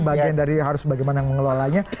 bagian dari harus bagaimana mengelolanya